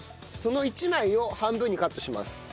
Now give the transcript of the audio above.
その１枚を半分にカットします。